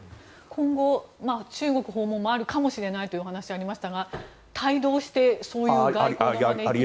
今後、中国訪問もあるかもしれないというお話がありましたが帯同して。